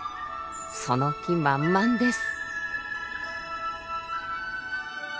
その気満々です。